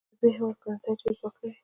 د ب هیواد کرنسي ډېر ځواک لري.